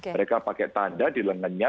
mereka pakai tanda di lengannya